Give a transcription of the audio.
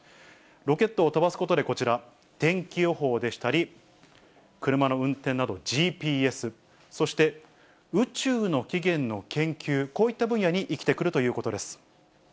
ロケットを飛ばすことで、こちら、天気予報でしたり、車の運転などＧＰＳ、そして宇宙の起源の研究、こういった分野に生きてくるということです。